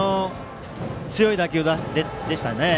強い打球でしたね。